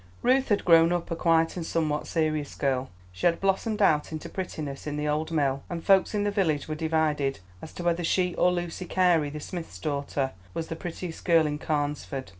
Ruth had grown up a quiet and somewhat serious girl; she had blossomed out into prettiness in the old mill, and folks in the village were divided as to whether she or Lucy Carey, the smith's daughter, was the prettiest girl in Carnesford.